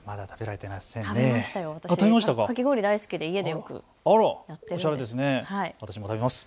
かき氷、大好きで家でよく食べてます。